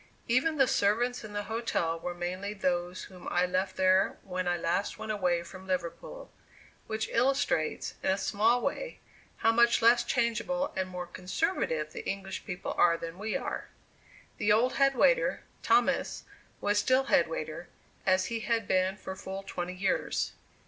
Even the servants in the hotel were mainly those whom I left there when I last went away from Liverpool which illustrates, in a small way, how much less changeable, and more "conservative" the English people are than we are. The old head waiter, Thomas, was still head waiter, as he had been for full twenty years.